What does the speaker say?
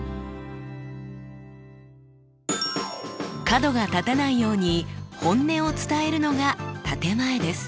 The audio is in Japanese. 角が立たないように本音を伝えるのが建て前です。